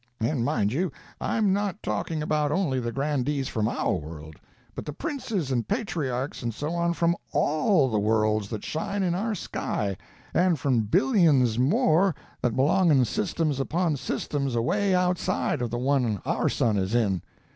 And mind you, I'm not talking about only the grandees from our world, but the princes and patriarchs and so on from all the worlds that shine in our sky, and from billions more that belong in systems upon systems away outside of the one our sun is in.